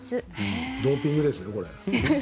ドーピングですねこれ。